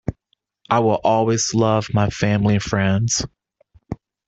I will always love my family and friends.